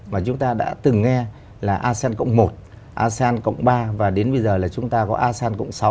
mà chúng ta đã từng nghe là asean cộng một asean cộng ba và đến bây giờ là chúng ta có asean cộng sáu